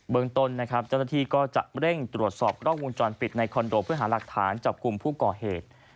เบิ้ลตนนะครับก็จะเร่งตรวจสอบลองวงจรปิดในคอนโดพื้นหารักฐานจับกลุ่มผู้ก่อเหตุ